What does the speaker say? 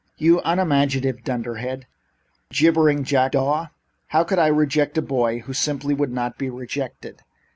"You unimaginative dunderhead! You jibbering jackdaw! How could I reject a boy who simply would not be rejected?